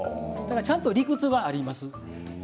ちゃんと理屈もあります。